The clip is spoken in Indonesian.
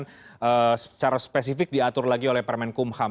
dan secara spesifik diatur lagi oleh permenkumham